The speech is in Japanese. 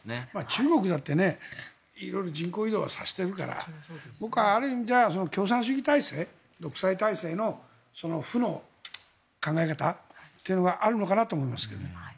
中国だって、いろいろ人口移動はさせているから僕はある意味では共産主義体制独裁体制の負の考え方というのがあるのかなと思いますけどね。